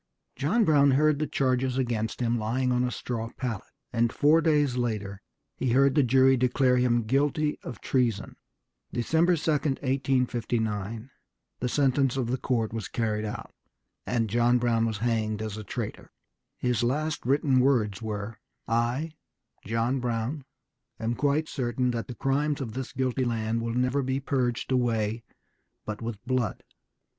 John Brown heard the charges against him lying on a straw pallet, and four days later he heard the jury declare him guilty of treason. December 2, 1859, the sentence of the court was carried out, and John Brown was hanged as a traitor. His last written words were, "I, John Brown, am quite certain that the crimes of this guilty land will never be purged away but with blood.